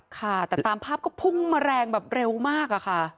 ค่ะแต่ตามภาพก็พุ่งมาแรงแบบเร็วมากอะค่ะ